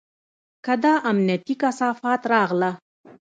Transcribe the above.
که دا امنيتي کثافات راغله.